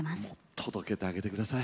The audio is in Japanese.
届けてあげてください！